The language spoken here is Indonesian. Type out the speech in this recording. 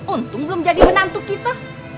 untung belum jadi menantu kita